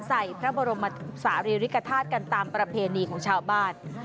ใส่พระบรมศาลีริกฐาตุกันตามประเพณีของชาวบ้าน